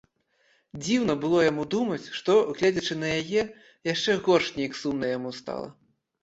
Дзіўна было яму думаць, што, гледзячы на яе, яшчэ горш нейк сумна яму стала.